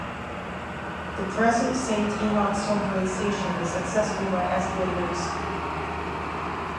The present Saint Enoch subway station is accessible by escalators.